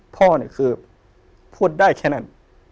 พ่อคือพูดได้แค่นั้น